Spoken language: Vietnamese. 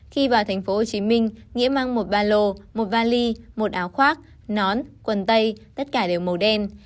khi vào tp hcm nghĩa mang một ba lô một vali một áo khoác nón quần tay tất cả đều màu đen